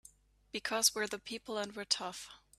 Because we're the people and we're tough!